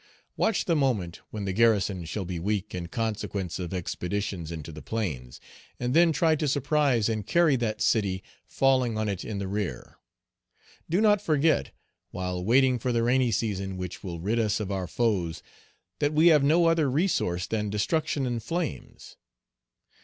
"Watch the moment when the garrison shall be weak in consequence of expeditions into the plains, and then try to surprise and carry that city, falling on it in the rear. "Do not forget, while waiting for the rainy season which will rid us of our foes, that we have no other resource than destruction and flames.